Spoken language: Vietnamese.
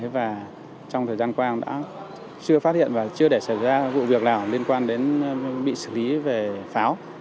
và trong thời gian qua đã chưa phát hiện và chưa để xảy ra vụ việc nào liên quan đến bị xử lý về pháo